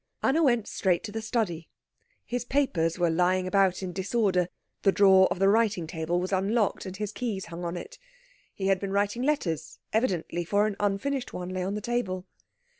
Anna went straight to the study. His papers were lying about in disorder; the drawer of the writing table was unlocked, and his keys hung in it He had been writing letters, evidently, for an unfinished one lay on the table.